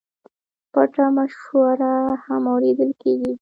پټه مشوره هم اورېدل کېږي.